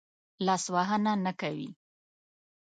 لاس وهنه نه کوي.